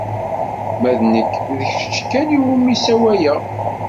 Ma d nekk, d kečč kan iwumi i sawaleɣ.